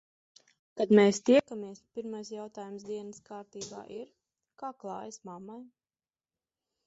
Kad mēs tiekamies, pirmais jautājums dienas kārtībā ir - kā klājas mammai?